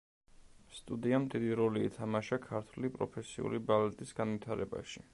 სტუდიამ დიდი როლი ითამაშა ქართული პროფესიული ბალეტის განვითარებაში.